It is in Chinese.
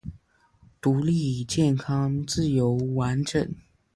独立健康自由完整